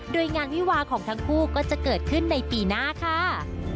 โดยงานวิวาของทั้งคู่ก็จะเกิดขึ้นในปีหน้าค่ะ